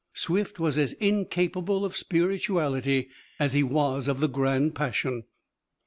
Swift was as incapable of spirituality as he was of the "grand passion."